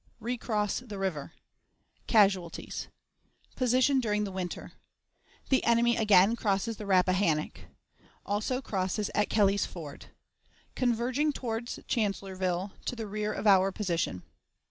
Recross the River. Casualties. Position during the Winter. The Enemy again crosses the Rappahannock. Also crosses at Kelly's Ford. Converging toward Chancellorsville, to the Rear of our Position.